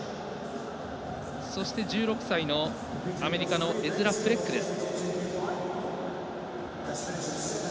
そして１６歳のアメリカのエズラ・フレックです。